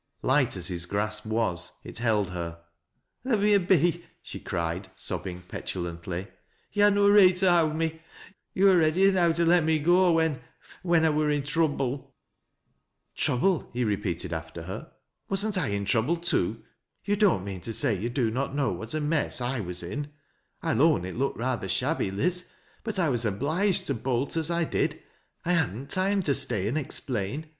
Light as his grasp was, it held her. " Let me a be," she cried, sobbing petulantly. "To ha' no reet to howd me. Yo' wur ready erow" U let ni« go when— when I wur i' troiible." 152 TBAT LASS Q LOWBISTB. " Trouble 1 " he repeated after her. " Wasn't I in troa blcj too 1 Yon don't mean to say you did not know what i mess I was in ? I'll own it looked rather shabby, Liz, but 1 was obliged to bolt as I did. I hadn't time to stay and explain.